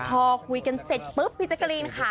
พอคุยกันเสร็จปุ๊บพี่แจกรีนค่ะ